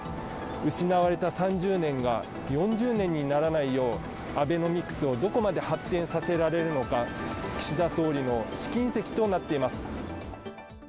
失われた３０年が４０年にならないようアベノミクスをどこまで発展させられるのか岸田総理の試金石となっています。